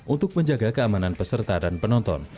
untuk menjaga keamanan peserta dan penonton